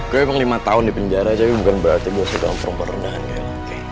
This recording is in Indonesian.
gue emang lima tahun di penjara tapi bukan berarti gue suka ngomong perenangan kayak gini